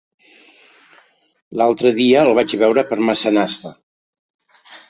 L'altre dia el vaig veure per Massanassa.